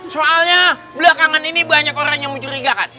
soalnya belakangan ini banyak orang yang mencurigakan